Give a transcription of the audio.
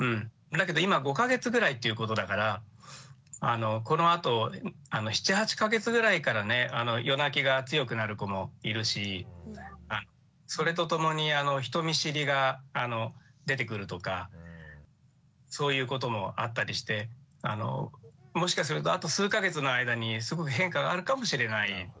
だけど今５か月ぐらいということだからこのあと７８か月ぐらいからね夜泣きが強くなる子もいるしそれとともに人見知りが出てくるとかそういうこともあったりしてもしかするとあと数か月の間にすごく変化があるかもしれないですよね。